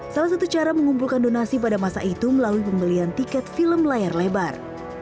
salah satu cara mengumpulkan donasi pada masa itu melalui pembelian tiket film layar lebar